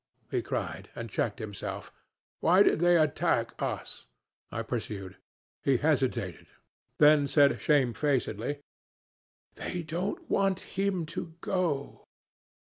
he cried, and checked himself. 'Why did they attack us?' I pursued. He hesitated, then said shamefacedly, 'They don't want him to go.'